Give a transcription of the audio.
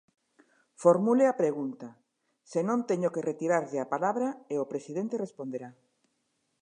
Formule a pregunta, se non teño que retirarlle a palabra e o presidente responderá.